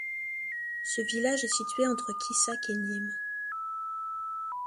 Ce village est situé entre Quissac et Nîmes.